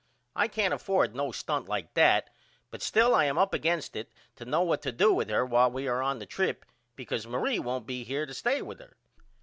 I can't afford no stunt like that but still I am up against it to know what to do with her while we are on the trip because Marie won't be here to stay with her.